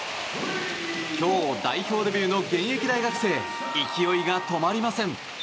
今日、代表デビューの現役大学生勢いが止まりません！